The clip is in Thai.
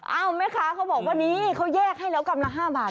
เอาไหมคะเขาบอกว่านี่เขาแยกให้แล้วกำลังห้าบาท